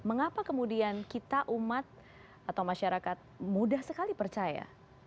mengapa kemudian kita umat atau masyarakat mudah sekali percaya